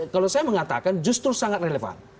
kalau saya mengatakan justru sangat relevan